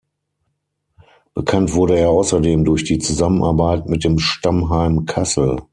Bekannt wurde er außerdem durch die Zusammenarbeit mit dem Stammheim Kassel.